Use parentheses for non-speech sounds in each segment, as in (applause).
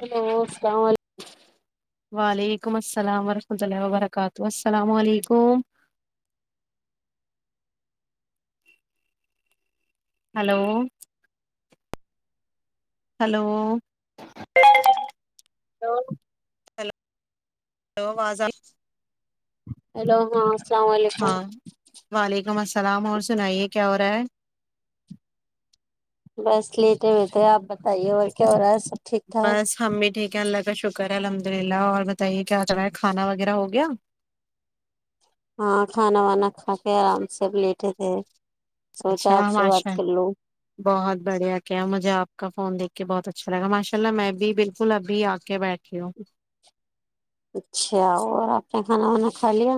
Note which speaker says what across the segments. Speaker 1: hello اللام
Speaker 2: وعلیکم السلام وورحمۃ اللہ وبرکاتہ السلام علیکم ہلو ہلو
Speaker 1: تو
Speaker 2: وہ آواز آ
Speaker 1: ہیلو ہاں السلام علیکم
Speaker 2: ہاں وال وعلیکم السلام اور سنائیے کیا ہو رہا ہے
Speaker 1: بس لیٹے ہوئے تھے آپ تیے اور کیا ہو رہا ہے سب ٹھیک ٹھاک
Speaker 2: کیا اللہ کا شکر ہے الحمد للہ اور بتائیے کیا کر رہا ہے کھانا وغیرہ ہو گیا
Speaker 1: ہاں کھانا وانا کھا کے آرام سے اب لیٹے تھے سوچا آپ سے بات
Speaker 2: اچھااشا
Speaker 1: کر لوں
Speaker 2: بہت بڑھیا کیا مجھے آپ کا فون دیکھ بہت اچھا لگا ماشاء اللہ میں بھی بالکل ابھی آ کے بیٹھھی ہوں
Speaker 1: اچھا اور آپ نے کھانا وانا کھا لیا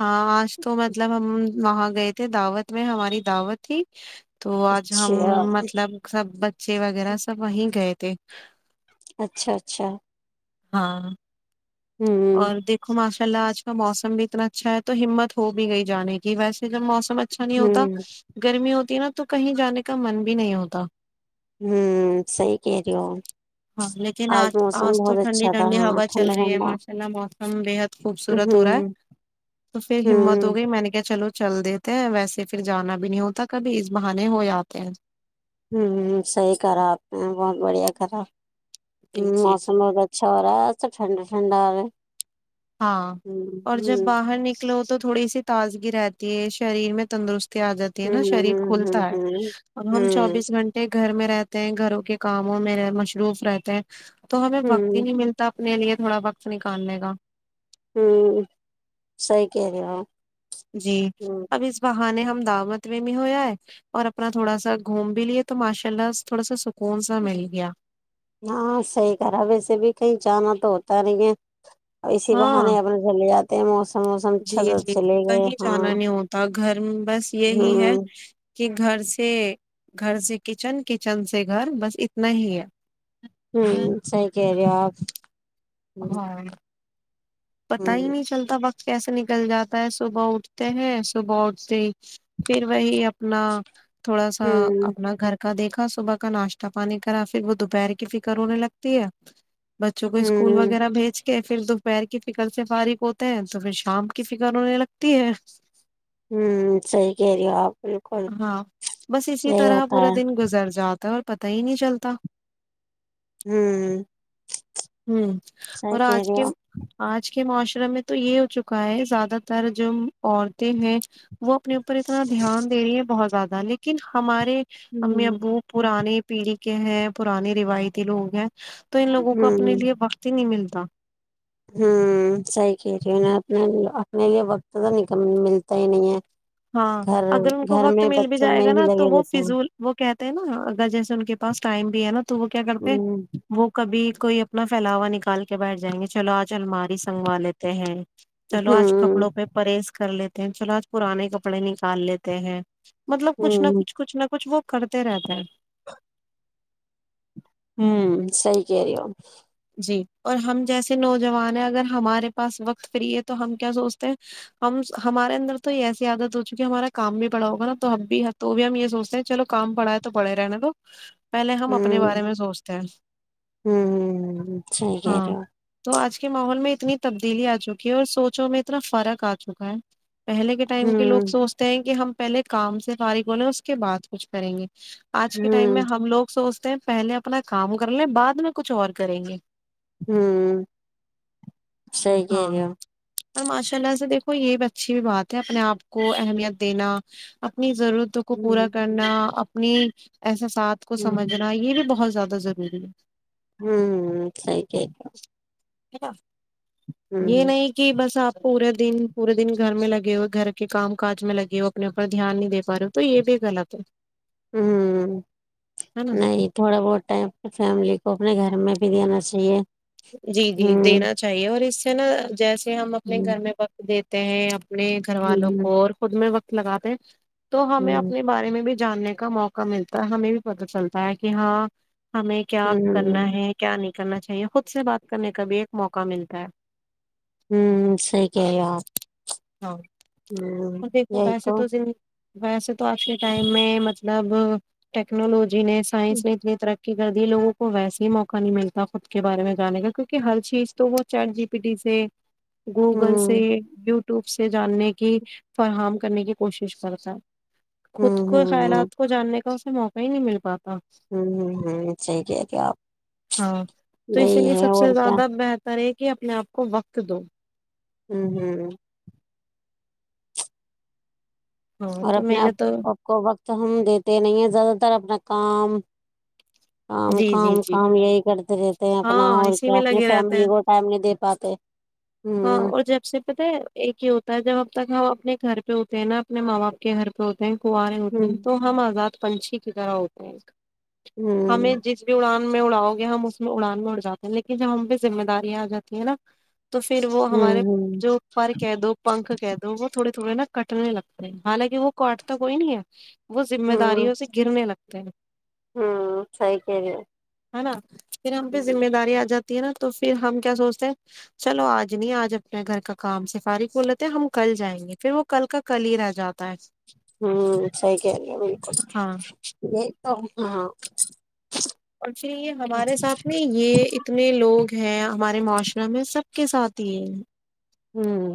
Speaker 2: ہاں آج تو مطلب ہم وہاں گئے تھے دعوت میں ہماری دعوت تھی تو آج ہم
Speaker 1: اچھا
Speaker 2: مطلب سب بچے وغیرہ سب وہیں گئے تھے ت (inaudible)
Speaker 1: اچھا اچھا (inaudible)
Speaker 2: ہاں (inaudible)
Speaker 1: ہوں
Speaker 2: اور دیکھو ما چلا آج کا موسم بھی اتنا اچھا ہے تو ہمت ہو بھی گئی جانے کی ویسے جب موسم اچھا نہیں ہوتا
Speaker 1: ہوں
Speaker 2: گرمی ہوتی نا تو تو کہیں جانے کا من بھی نہیں ہوتا
Speaker 1: ہوں سی کہہ رہی ہو
Speaker 2: ہاں لیکن آج
Speaker 1: موسم
Speaker 2: آج تو
Speaker 1: بہت
Speaker 2: ٹھنڈی
Speaker 1: اچھا تھا
Speaker 2: ٹھنڈی
Speaker 1: ہاں
Speaker 2: ہوا
Speaker 1: ٹھنڈا
Speaker 2: چل رہی ہے
Speaker 1: ٹھنڈا
Speaker 2: ماشاء اللہ موت ہم بے حد (inaudible) خوبصورت ہو رہا ہے
Speaker 1: ہوں
Speaker 2: تو پھر ہمت
Speaker 1: ہوں
Speaker 2: ہو گئی میں نے کیا چلو چل دیتے ہیں ویسے پھر جانا بھی نہیں ہوتا کبھی اس بہانے ہو جاتے ہیں
Speaker 1: ہوں ہ صحیح کرا آپ نے بہت بڑھیا کرا
Speaker 2: جی
Speaker 1: ہ
Speaker 2: جی جی
Speaker 1: موسم بہت اچھا ہو باسا ٹھنڈا ٹھنڈا آ رہ
Speaker 2: ہاں اور جب باہر نکلو تو تو تھوڑی سی تازگی رہتی ہے شریر میں تندرست آ جاتی ہے نا شریر
Speaker 1: ہوں ہوں
Speaker 2: کھلتا ہے اب ہم چوبیس گھنٹے گھر میں رہتے ہیں گھروں کے کاموں میں مصروف رہتے ہیں تو ہمیں بھکتی
Speaker 1: ہوں
Speaker 2: نہیں ملتا اپنے لیے تھوڑا وقت نکالنے گا
Speaker 1: ہوں سی کہ رہےو (inaudible)
Speaker 2: جی اب اس بہانے ہم دوت بھی بھی ہویا ہے اور اپنا تھوڑا سا گھوم بھی لیے تو ماشاء اللہ تھوڑا سا س
Speaker 1: ہاں صحی کرا ویسے بھی کئی چانا تو ہوتا نہیں ہے اور اسی
Speaker 2: ہاں
Speaker 1: بہانے اپنا جلیا ت مو
Speaker 2: جی جی جی کہیں جانا نہیں ہوتا گھر بس یہی ہے
Speaker 1: ہوں
Speaker 2: کہ گھر سے گھر سے کچن کچن سے گھر بس اتنا ہی ہے
Speaker 1: ہوں سح کہ رہیے آپ ہوں
Speaker 2: ہاں پتا ہی نہیں چلتا بق کیسے نکل جاتا ہے صبح اٹھتے ہیں صبح اٹھتے ہی پھر وہی نہ تھوڑا سا
Speaker 1: ہوں
Speaker 2: اپنا گھر کا دیکھ ا صبح کا ناشتہ پانی کرا پھر وہ دوپہر کی فکر ہونے لگتی ہے بچوں کو اسکول
Speaker 1: ہوں
Speaker 2: وغیرہ بھیج کے پھر دوپہر کی فکر سے فارغ ہوتے ہیں تو پھر شام کی فکر ہونے لگتی ہے
Speaker 1: ہوں سی کہہ رہی ہو آپ بالکل
Speaker 2: ہاں بس اسی
Speaker 1: یہی
Speaker 2: طرح
Speaker 1: ہوتا
Speaker 2: پورا
Speaker 1: ہے
Speaker 2: دن گزر جات ہوتا اور پتا ہی نہیں چلتا
Speaker 1: ہ (unintelligible)
Speaker 2: ہوں اور آج کے آج کے معاشرے میں تو یہ ہو چکا ہے زیادہ تر جو عورتیں ہیں وہ اپنے اوپر اتنا دھیان د رہی ہے بہت زیادہ لیکن ہمارے امی
Speaker 1: ہوں
Speaker 2: ابو پررانانی پیڑھی کے ہے پرانی روایتی لوگ ہیں تو ان لوگوں کا اپنے
Speaker 1: ہوں
Speaker 2: لیے بکتی نہیں ملتی کتا
Speaker 1: ہوں صحیح کہہ رہی ہوں اپنے اپنے لیے وقت تو نہیں ملتا ہی نہیں ہے
Speaker 2: ہاں
Speaker 1: گھر
Speaker 2: اگر ان کو
Speaker 1: گھر
Speaker 2: وقت
Speaker 1: میں
Speaker 2: مل بھی
Speaker 1: بچوں
Speaker 2: جائے
Speaker 1: میں
Speaker 2: گا
Speaker 1: ہی
Speaker 2: نا تو
Speaker 1: لگے
Speaker 2: وہ
Speaker 1: رہتے ہیں
Speaker 2: فضول وہ کہتے ہیں نا اگر جیسے ان کے پاس ٹائم بھی ہے نا تو وہ کیا کرتے
Speaker 1: ہوں
Speaker 2: وہ کبھی کوئی اپنا فھیلاوا نکال کے بیٹھ جائیں گے چلو آج جلماری سنگوا لیتے ہیں چلو آج
Speaker 1: ہوں
Speaker 2: کپڑوں پہ پرہیز کر لیتے دین چو آج پرانے ک کپڑے نکال لیتے ہیں مطلب کچھ نہ
Speaker 1: ہوں
Speaker 2: کچھ کچھ نہ کچھ وہ کرتے رہتے ہیں
Speaker 1: ہوں سی کہہ رہی ہو
Speaker 2: جی اور ہم جیسے نوجوان ہیں اگر ہمارے پاس وقت فری ہے تو ہم کیا سوچتے ہیں ہم ہمارے اندر تو ایسی عادت ہو چکی ہمارا کام بھی پڑا ہوگا نا تو ہمب بھی تو بھی ہم یہ سوچتے ہیں چلو کام پڑا ہے تو بڑے رہنے تو پہلے ہم اپنے
Speaker 1: ہوں
Speaker 2: بارے میں سوچتے ہیں
Speaker 1: ہ ٹھیک
Speaker 2: ہاں
Speaker 1: ہے (inaudible)
Speaker 2: تو آج کے ماحول میں اتنی تبدیلی آ چکی ہے اور سوچوں میں اتنا فرق آ چکا ہے پہلے کے ٹائم کے لوگ
Speaker 1: ہوں
Speaker 2: سوچتے ہیں کہ ہم پہلے کام سے فارغ ہونے اس کے بعد کچھ کریں گے آج کے ٹائم میں
Speaker 1: ہوں
Speaker 2: ہم لوگ سو پہلے اپنا کام کر لیں بعد میں کچھ اور کریں گے
Speaker 1: ہوں صحی کہ
Speaker 2: ہاں
Speaker 1: رہی ہو
Speaker 2: اور ماشاء اللہ سے دیکھو یہ بھی اچھی بات ہے اپنے آپ کو اہمیت دینا اپنی ضرورتوں کو پورا
Speaker 1: ہوں
Speaker 2: کرنا نہیں (inaudible) ایسا ساتھ کو
Speaker 1: ہوں
Speaker 2: سمجھنا یہ بھی بہت زیادہ ب ضروری (inaudible)
Speaker 1: ہوں صحی کہ
Speaker 2: ا (inaudible) یہ نہیں کہ بس آپ پورے دن پورے دن گھر میں لگے ہوئے گھر کے کام کاج میں لگے ہو اپنے اوپر دھیان نہیں دے پا رہے ہو تو یہ بھی غلط ہے
Speaker 1: ہ
Speaker 2: ہے نا
Speaker 1: نہیں تھوڑا بہت ہے اپنی فیملی کو اپنے گھر میں بریان چاہیے (unintelligible)
Speaker 2: جی جی
Speaker 1: ہوں
Speaker 2: دینا چاہیے اور اس نا جیسے ہم اپنے
Speaker 1: ہوں
Speaker 2: گھر میں وقت دیتے ہیں اب (unintelligible) اپنے گھر والوں
Speaker 1: ہوں
Speaker 2: کو اور خود میں وقت لگاتے تو ہمیں
Speaker 1: ہوں
Speaker 2: اپنے بارے میں بھی جاننے کا موقع ملتا ہے ہمیں بھی پت چلتا ہے کہ ہاں ہمیں کیا
Speaker 1: ہوں
Speaker 2: کرنا ہے کیا نہیں کرنا چاہیے خود سے بات کرنے کا بھی ایک موقع ملتا ہے
Speaker 1: ہوں صحی کہ رہی ہو آپ
Speaker 2: ہاں
Speaker 1: ہوں
Speaker 2: ہ دیکھو
Speaker 1: یہی
Speaker 2: ویسے تو ویسے تو آج کے ٹائم میں مطلب ٹیکنالوجی جی نے
Speaker 1: ہوں
Speaker 2: سائنس نے اتنی طرق کرد لگوں کو ویسے ہی موقع نہیں ملتا خود کے بارے میں جانے گا کیونکہ ہر چیز تو وہ چیٹ جی پی ڈی سے گوگل سے
Speaker 1: ہوں
Speaker 2: و (unintelligible) وپ سے جاننے کی فراہم کرنے کی کوشش کرتا خود
Speaker 1: ہوں
Speaker 2: کو
Speaker 1: ہوں
Speaker 2: خیالات کو جاننے کا موق ہی نہیں مل پا
Speaker 1: ہوں ہوں ہوں صحیح کہ تھے آپ
Speaker 2: ہاں تو اسی
Speaker 1: یہی
Speaker 2: لیے
Speaker 1: ہے
Speaker 2: سب سے
Speaker 1: اور کیا
Speaker 2: زیادہ بہتر کریں کہ اپنے آپ کو وقت دو
Speaker 1: ہوں ہوں
Speaker 2: ہاں
Speaker 1: اور
Speaker 2: تو میں
Speaker 1: اپنےپ
Speaker 2: نے تو
Speaker 1: کو وقت ہم دیتے نہیں ہیں زیادہ طر اپنا کام (unintelligible) کام
Speaker 2: جی جی
Speaker 1: کام
Speaker 2: جی
Speaker 1: کام یہی کرتے رہتے ہیں اپنا
Speaker 2: ہاں
Speaker 1: اور
Speaker 2: اسی
Speaker 1: کیا
Speaker 2: میں
Speaker 1: اپنی
Speaker 2: لگے رہتے ہیں
Speaker 1: فیملی کو ٹائم نہیں دے پاتے
Speaker 2: ہاں
Speaker 1: ہوں
Speaker 2: اور جب سے پتا ہے ایک ہی ہوتا ہے جب ہمب تک ہو اپنے گھر پہ ہوتے ہیں نا اپنے ماں باپ کے گھر پہ ہوتے کنوے ہوتے ہیں
Speaker 1: ہوں
Speaker 2: تو ہم آزاد پنچھی کی طرح ہوتے ہیں ایک
Speaker 1: ہوں
Speaker 2: ہمیں جس بھی اڑان میں اڑاؤ گے ہم اس میں اڑان میں اڑ جاتے ہیں لیکن جب ہم پ بھی ذمہ دارییا آ جاتی ہے نا تو پھر وہ
Speaker 1: ہوں
Speaker 2: ہمارے
Speaker 1: ہوں
Speaker 2: جو پر کہہ دو پنکھ کہہ دو وہ تھوڑے تھوڑے نا کٹنے لگتے ہیں حالانکہ وہ کاٹ تو کوئی نہیں ہے وہ ذمہ
Speaker 1: ہوں
Speaker 2: داریوں سے گرنے لگتا تو (unintelligible)
Speaker 1: ہوں سی کہ رہے
Speaker 2: ہے نا پ ہم
Speaker 1: ہو
Speaker 2: پہذمہ داری آ جات نا تو پھر ہم کیا سوچتے ہیں چلو آج نہیں آج اپنے گھر کا کام سفارغ بول رہتے ہیں ہم کل جائیں گے پھر وہ کل کا کل ہی رہ جاتا ہے
Speaker 1: ہ سی کہ رہ گ بالکل
Speaker 2: ہاں
Speaker 1: یہ تو ہ
Speaker 2: اور پھر یہ ہمارے ساتھ میں یہ اتنے لوگ ہیں ہمارے معاشرہ میں سب کے ساتھ ہی (unintelligible)
Speaker 1: ہمم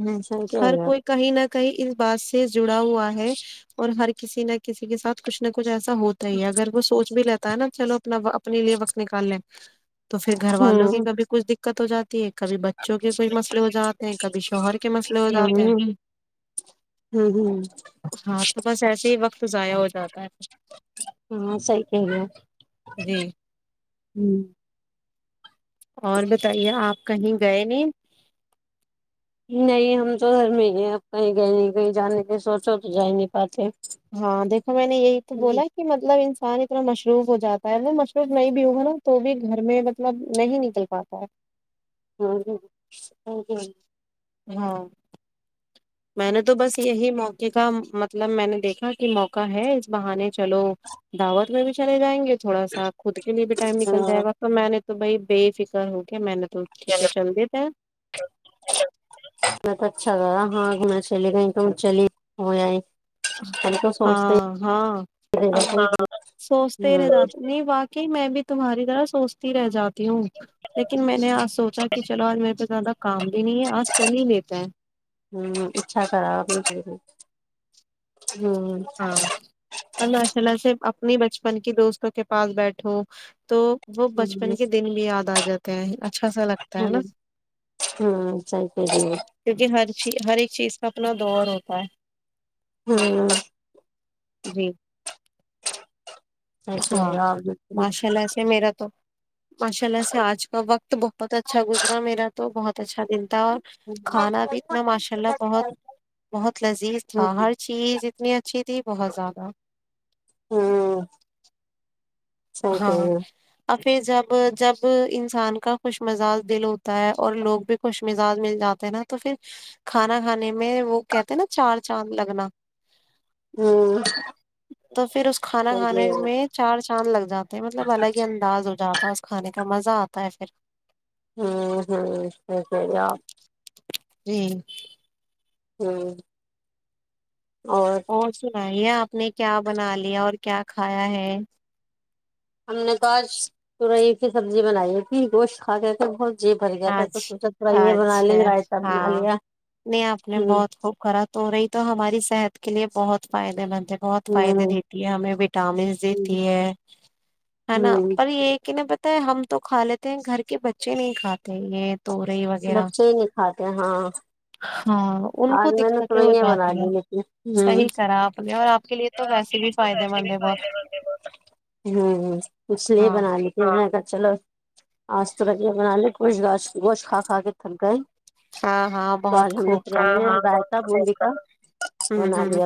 Speaker 2: ہمم ہر کوئی کہیی نہ کہیی اس بات سے جڑا ہوا ہے اور ہر کسی نہ کسی کے ساتھ کچھ نہ کچھ ایسا ہوتا ہی ہے اگر وہ سوچ بھی لیتا ہے نا چلو اپنا اپنے لیے وقت نکال لیں تو پھر گھر والوں کی
Speaker 1: ہوں
Speaker 2: کبھی کچھ دک دقعت ہو جاتی ہے کبھی بچوں کے کوئی مسلے ہو جاتے ہیں کبھی شہر کے مسئلے ہو جاتے ہیں
Speaker 1: ہوں ہوں ہوں
Speaker 2: ہاں تو بس ایسے ہی وقت ضائع ہو جاتا ہے
Speaker 1: ہمم صحیح کہہ رہی ہو اپ
Speaker 2: جی
Speaker 1: ہمم
Speaker 2: اور بتائیے آپ کہیں گئے نہیں
Speaker 1: نہیں ہم تو گھر میں ہی ہیں اب کہیں گئے نہیں کہیں جانے کی سوچو تو جا نہیں پاتے
Speaker 2: ہاں دیکھو میں نے یہی تو
Speaker 1: ہوں
Speaker 2: بولا کہ مطلب انسان اتنا مشروف ہو جاتا ہے وہ مشروف نہیں بھی ہوگا نا تو بھی گھر میں مطلب نہیں نکل پاتا ہے
Speaker 1: (inaudible)
Speaker 2: ہممم میں نے تو بس یہی موقع کا مطلب میں نے دیکھا کہ موقع ہے اس بہانے چلو دعوت میں بھی چلے جائیں گے تھوڑا سا خود کے لیے بھی ٹائم نکل جائے گا تو میں نے تو تو بائی بے فکر ہو کے میں نے تو ٹھیک ہے چل دیتے ہیں
Speaker 1: میں تو اچھا گا ہاں گھ (inaudible) چلے گئے تو چلی ہو جیں
Speaker 2: ہاں ہاں
Speaker 1: ہوں
Speaker 2: اب سوچتے رہ
Speaker 1: ہوں
Speaker 2: جاتے نہیں واقعی میں بھی تمہاری طرح سوچتی رہ جاتی ہوں لیکن میں نے آج سوچا کہ چلو آج میرے پہ زیادہ کام بھی نہیں ہے آج چل ہی لیتے ہے
Speaker 1: اچھا کرا آپ نے ہوں ہوں
Speaker 2: ہاں اور ماشاءاللہ سے اپنی بچپن کی دوستوں کے پاس بیٹھوں تو وہ بچپن کے دن بھی یاد آ ج جاتے ہے اچھا سا لگتا نا
Speaker 1: ہمم ہمم صحیح کہہ رہی ہو
Speaker 2: کیونکہ ہر ہر ایک چیز کا اپنا دور ہوتا ہے
Speaker 1: ہمم
Speaker 2: جی
Speaker 1: صحیح کہہ رہے
Speaker 2: ہاں
Speaker 1: ہو آپ بالکل
Speaker 2: ماشاء اللہ سے میرا تو ماشاء اللہ سے آج کا وقت بہت اچھا گزرا میرا تو بہت اچھا دل تھا اور کھانا بھی اتنا ماشاء اللہ بہت بہت لذیذ تھا
Speaker 1: ہوں
Speaker 2: ہر چیز اتنی اچھی تھی بہت زیادہ
Speaker 1: ہوں صحیح کہہ رہے
Speaker 2: ہاں پھر جب جب انسان کا خوش مزاج دل ہوتا ہے اور لوگ بھی خوش مزاج مل جاتے نا تو پھر کھانا کھانے میں وہ کہتے ہیں نا چار چاند لگنا
Speaker 1: ہو ہوں صحیح
Speaker 2: تو پھر اس کھانا
Speaker 1: کہہ رہے
Speaker 2: کھانے
Speaker 1: ہو
Speaker 2: میں چار چ شان لگتا جاتے ہیں مطلب الگ ہی انداز ہو جاتا ہے اس کھانے سے کا مزہ آتا ہے پھر
Speaker 1: ہوں ہوںحییا
Speaker 2: جی
Speaker 1: ہوں
Speaker 2: اور سنائیے آپ آپ نے کیا بنا لیا اور کیا کھایا ہے
Speaker 1: ہم نے تو آج تورئی کی سبزی بنائی تھی گوشت کھا کے کے بہت جی بھر گیا تھا
Speaker 2: آج
Speaker 1: تو سوچا تھوڑا یہ بنا لیں
Speaker 2: اچھا
Speaker 1: رائتا بنا
Speaker 2: ہاں
Speaker 1: لیا
Speaker 2: نہیں آپ نے
Speaker 1: ہوں
Speaker 2: بہت خوب خا تو رہی تو ہماری صحت کے لیے بہت فائدے مند بہت فائدے
Speaker 1: ہوں
Speaker 2: دیتی ہے ہمیں وٹامنس دیتی ہے ہے نا
Speaker 1: ہوں
Speaker 2: پر یہ کہ ن ہم تو کھا لیتے ہیں گھر کے بچے نہیں کھاتے تو یہ توری وغیرہ
Speaker 1: بچے ہی نہیں کھاتے ہاں
Speaker 2: ہاں ان کو
Speaker 1: اورج میں
Speaker 2: دقتیں ہو
Speaker 1: نےو بنا
Speaker 2: جاتی ہے
Speaker 1: لی ت
Speaker 2: صحیح کرا آپ نے اور آپ کے لیے تو ویسے بھی فائدے مند ہے بہت
Speaker 1: اس لیے
Speaker 2: ہاں
Speaker 1: بنا لی ت چلو آج تو ب یہ بنا لے کچھ گاچھ گوشھ کھا کھا کے تھک گئے
Speaker 2: ہاں ہاں بہت خوب کا
Speaker 1: (unintelligible) امیریکہ
Speaker 2: ہوں ہوں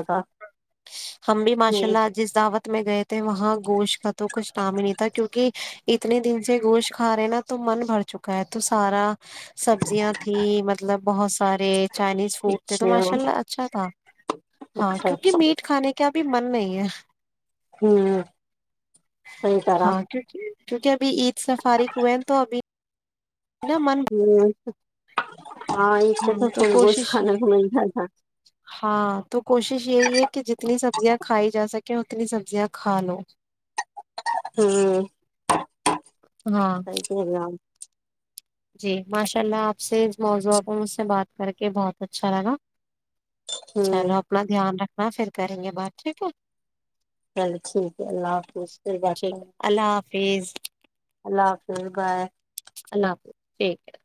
Speaker 2: ہم بھی ماشاء
Speaker 1: ہوں
Speaker 2: اللہ جس دعوت میں گئے تھے وہاں گوشت کا تو کچھ نام ہی نہیں تھا کیونکہ اتنے دن سے گوشت کھا رہے ہیں نا تو من بھر چکا ہے تو سارا سبزیاں تھھی مطلب بہت سارے چائنیز فوڈ تھے تو
Speaker 1: اچھا
Speaker 2: ماشاء اللہ اچھا تھا ہاں
Speaker 1: اچھا
Speaker 2: کیونکہ
Speaker 1: اچھا
Speaker 2: میٹ کھانے کا ابھی من نہیں ہے
Speaker 1: ہوں صحیح کرا
Speaker 2: ہاں کیونکہ کیونکہ ابھی عید سے فارغ ہوئے ہیں تو ابھی نا من
Speaker 1: ہوں ہاں اس سے
Speaker 2: ہمم تو
Speaker 1: سب کچھ
Speaker 2: کوشش
Speaker 1: کھانے کو ملتا تھا
Speaker 2: ہاں تو کوشش یہی ہے کہ جتنی سبزیاں کھائی جا سک کیا کرے سبزیاں کھا لو
Speaker 1: ہمم
Speaker 2: ہاں
Speaker 1: صحیح کہہ رہے ہیں اپ
Speaker 2: جی ماشاء اللہ آپ سے اس موضوعہ کو مجھ سے بات کر کے بہت اچھا لگا
Speaker 1: ہوں
Speaker 2: چلو اپنا دھیان رکھ ہاں پھر کریں گے بات ٹھیک ہے
Speaker 1: چلو ٹھیک ہے اللہ حافظ پھر بات
Speaker 2: فیذ
Speaker 1: اللہ حافظ بائے
Speaker 2: اللہ حافظ ٹھیک کیئر